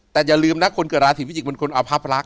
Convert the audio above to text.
แต่อย่าลืมนะคนเกิดราศีพิจิกษเป็นคนอภาพรักษ